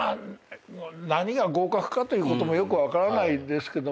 何が合格かということもよく分からないですけど